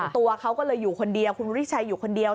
ตัวเขาก็เลยอยู่คนเดียวคุณวุฒิชัยอยู่คนเดียว